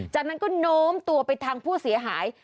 จากนั้นก็โน้มตัวไปทางผู้เสียหาย